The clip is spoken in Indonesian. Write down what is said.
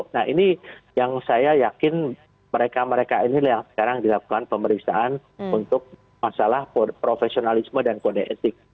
nah ini yang saya yakin mereka mereka inilah yang sekarang dilakukan pemeriksaan untuk masalah profesionalisme dan kode etik